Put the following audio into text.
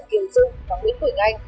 với quân trận kiều dung và nguyễn quỳnh anh